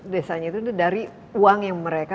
desanya itu dari uang yang mereka